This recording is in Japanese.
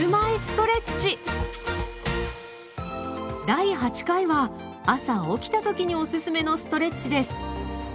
第８回は朝起きた時におすすめのストレッチです。